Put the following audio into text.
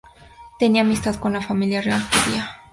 Tenía amistad con la familia real judía.